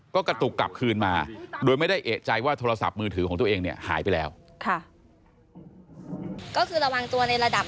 ก็กระตุกกลับคืนมาโดยไม่ได้เอกใจว่าโทรศัพท์มือถือของตัวเองหายไปแล้ว